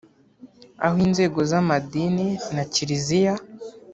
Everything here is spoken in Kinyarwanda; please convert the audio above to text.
aho inzego z’amadini na Kiliziya